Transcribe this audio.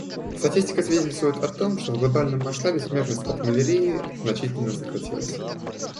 Статистика свидетельствует о том, что в глобальном масштабе смертность от малярии значительно сократилась.